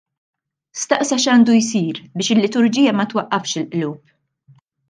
Staqsa x'għandu jsir biex il-liturġija ma twaqqafx il-qlub.